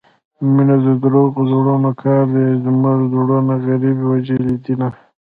مينه دروغو زړونو كار دى زموږه زړونه غريبۍ وژلي دينه